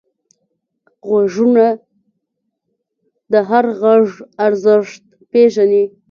غوږونه د هر غږ ارزښت پېژني